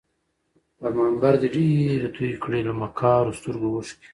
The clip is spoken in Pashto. پر منبر دي ډیري توی کړې له مکارو سترګو اوښکي